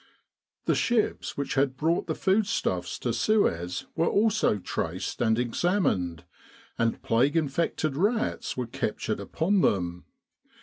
The ships which had brought the foodstuffs to Suez were also traced and examined, and plague infected rats were captured upon them.